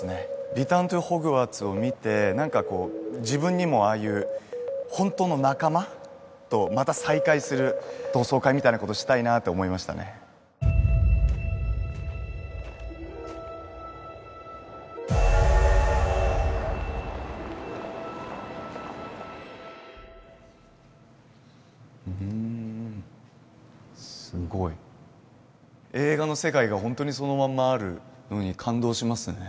「リターン・トゥ・ホグワーツ」を見てなんかこう自分にもああいうホントの仲間とまた再会する同窓会みたいなことしたいなと思いましたねんすごい映画の世界がホントにそのままあるのに感動しますね